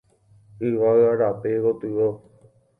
Yvága rape gotyo.